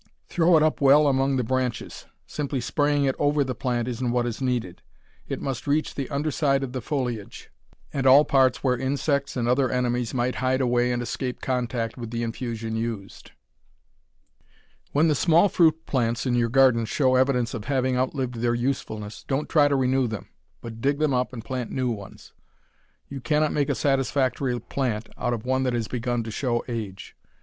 Throw it up well among the branches. Simply spraying it over the plant isn't what is needed. It must reach the under side of the foliage, and all parts where insects and other enemies might hide away and escape contact with the infusion used. When the small fruit plants in your garden show evidence of having outlived their usefulness, don't try to renew them, but dig them up and plant new ones. You cannot make a satisfactory plant out of one that has begun to show age.